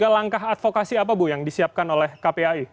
langkah advokasi apa bu yang disiapkan oleh kpai